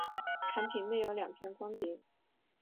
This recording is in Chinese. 产品内有两片光碟。